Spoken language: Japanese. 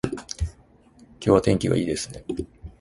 今日は天気がいいですね